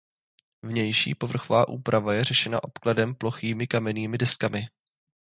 Vnější povrchová úprava je řešena obkladem plochými kamennými deskami.